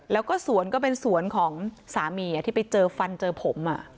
แล้วก็สวนก็เป็นสวนของสามีที่ไปเจอฟันเจอผม